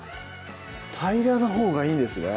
平らなほうがいいんですね